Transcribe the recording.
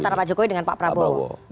antara pak jokowi dengan pak prabowo